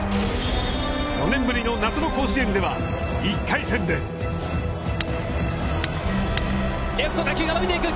４年ぶりの夏の甲子園では１回戦でレフト打球が伸びていく。